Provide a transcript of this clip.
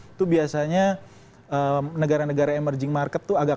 itu biasanya negara negara emerging market tuh agak lama